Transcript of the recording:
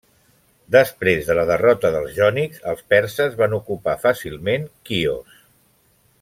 Després de la derrota dels jònics, els perses van ocupar fàcilment Quios.